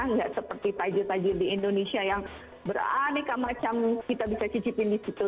nggak seperti tajir tajir di indonesia yang beraneka macam kita bisa cicipin di situ